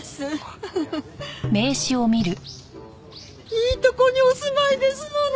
いいところにお住まいですのね！